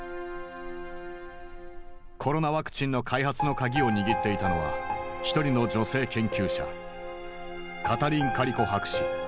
コロナワクチンの開発の鍵を握っていたのは一人の女性研究者カタリン・カリコ博士。